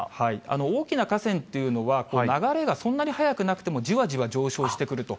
大きな河川というのは、流れがそんなに速くなくても、じわじわ上昇してくると。